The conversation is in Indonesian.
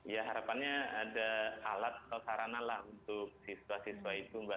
ya harapannya ada alat atau sarana lah untuk siswa siswa itu mbak